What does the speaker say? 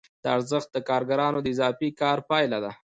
دا ارزښت د کارګرانو د اضافي کار پایله ده